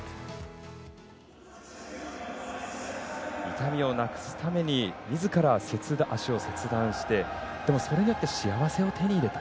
痛みをなくすためにみずから足を切断してでも、それによって幸せを手に入れた。